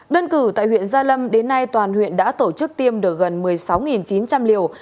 đơn cử tại huyện gia lâm đến nay toàn huyện đã tổ chức tiêm được gần một mươi sáu chín trăm linh liều